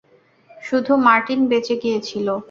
শুধু মার্টিন বেঁচে গিয়েছিলো।